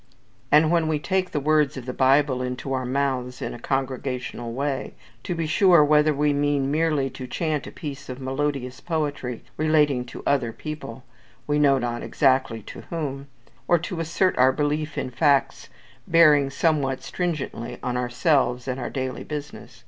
and when we take the words of the Bible into our mouths in a congregational way, to be sure whether we mean merely to chant a piece of melodious poetry relating to other people (we know not exactly to whom) or to assert our belief in facts bearing somewhat stringently on ourselves and our daily business.